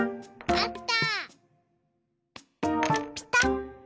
あった！